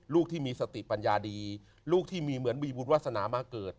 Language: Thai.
ลูกที่มีสติปัญญาดีลูกที่มีเหมือนมีบุญวาสนามาเกิด